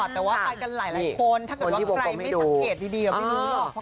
แต่ว่าไปกันหลายคนถ้าเกิดว่าใครไม่สังเกตดีไม่รู้หรอก